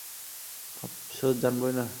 ভাবছোস জানবোই না?